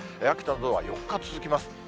秋田などは４日続きます。